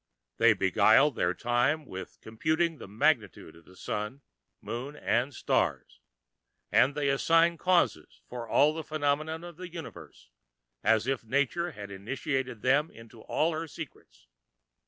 They beguile their time with computing the magnitude of the sun, moon, and stars, and they assign causes for all the phenomena of the universe, as if nature had initiated them into all her secrets.